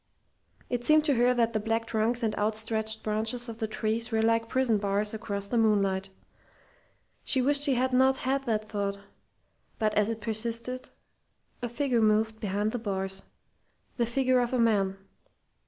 It seemed to her that the black trunks and outstretched branches of the trees were like prison bars across the moonlight. She wished she had not had that thought, but as it persisted, a figure moved behind the bars, the figure of a man.